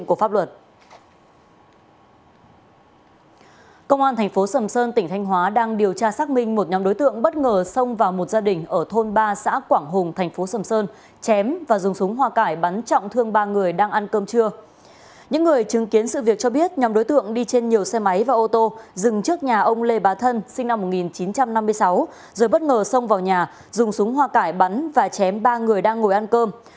chứng kiến sự việc cho biết nhóm đối tượng đi trên nhiều xe máy và ô tô dừng trước nhà ông lê bá thân sinh năm một nghìn chín trăm năm mươi sáu rồi bất ngờ xông vào nhà dùng súng hoa cải bắn và chém ba người đang ngồi ăn cơm